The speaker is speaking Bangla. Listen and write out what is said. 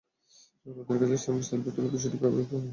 রদ্রিগেজের সঙ্গে সেলফি তোলার ব্যাপারটি হয়তো আগে থেকেই ঠিক করা ছিল।